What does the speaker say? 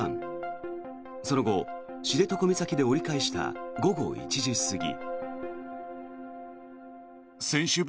その後、知床岬で折り返した午後１時過ぎ。